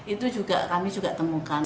itu juga kami juga temukan